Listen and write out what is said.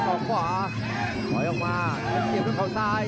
เขาพูดละสู้ไว้อยู่เลยครับ